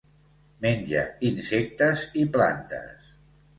Menja insectes i plantes.